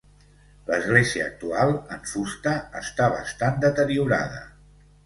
L'església actual, en fusta, està bastant deteriorada.